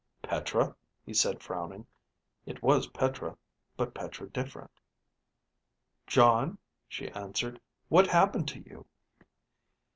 "Petra?" he said, frowning. It was Petra, but Petra different. "Jon," she answered. "What happened to you?"